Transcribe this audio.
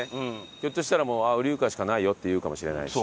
ひょっとしたらもう「ウリュウカンしかないよ」って言うかもしれないし。